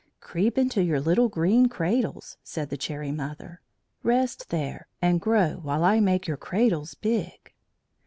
"Creep into your little green cradles," said the Cherry Mother. "Rest there and grow while I make your cradles big."